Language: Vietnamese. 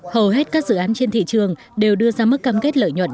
hầu hết các dự án trên thị trường đều đưa ra mức cam kết lợi nhuận